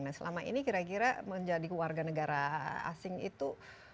nah selama ini kira kira menjadi warga negara asing itu